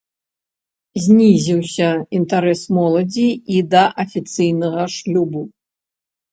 Знізіўся інтарэс моладзі і да афіцыйнага шлюбу.